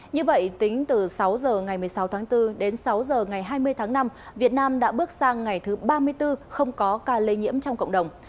như vậy tính từ sáu h ngày một mươi sáu tháng bốn đến sáu h ngày hai mươi tháng năm việt nam đã bước sang ngày thứ ba mươi bốn không có ca lây nhiễm trong cộng đồng